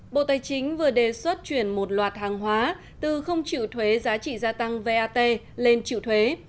bộ tài chính vừa đề xuất chuyển một loạt hàng hóa từ không chịu thuế giá trị gia tăng vat lên triệu thuế